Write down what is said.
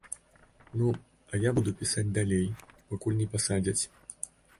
Ну, а я буду пісаць далей, пакуль не пасадзяць.